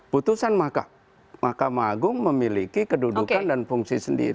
putusan mahkamah agung memiliki kedudukan dan fungsi sendiri